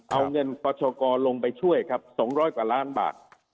เอาเงินปชกรลงไปช่วยครับ๒๐๐กว่าล้านบาท